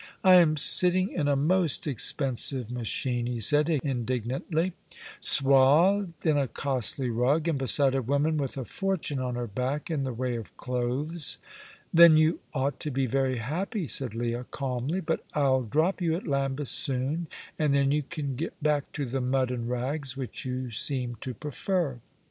"I am sitting in a most expensive machine," he said, indignantly, "swathed in a costly rug, and beside a woman with a fortune on her back in the way of clothes." "Then you ought to be very happy," said Leah, calmly; "but I'll drop you at Lambeth soon, and then you can get back to the mud and rags, which you seem to prefer."